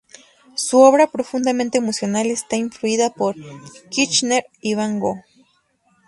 Su obra, profundamente emocional, está influida por Kirchner y Van Gogh.